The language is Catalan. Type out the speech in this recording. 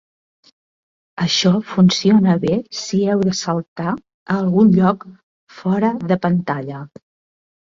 Això funciona bé si heu de saltar a algun lloc fora de pantalla.